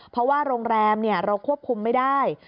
เพราะว่าโรงแรมเราควบคุมไม่ได้